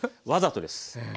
わざとです。